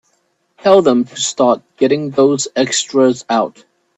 Tell them to start getting those extras out.